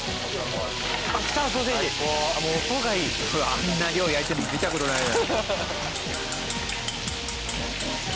あんな量焼いてるの見た事ないな。